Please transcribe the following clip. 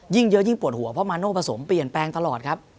เยอะยิ่งปวดหัวเพราะมาโน่ผสมเปลี่ยนแปลงตลอดครับ